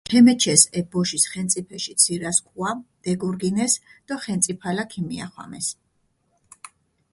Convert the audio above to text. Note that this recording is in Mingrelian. ქემეჩეს ე ბოშის ხენწიფეში ცირასქუა, დეგურგინეს დო ხენწიფალა ქიმიახვამეს.